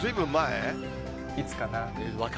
いつかな？